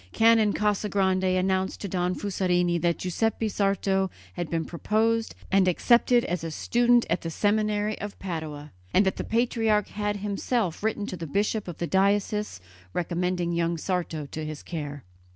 Canon Casagrande announced to Don Fusarini that Giuseppe Sarto had been proposed and accepted as a student at the seminary of Padua, and that the patriarch had himself written to the bishop of the diocese recommending young Sarto to his care.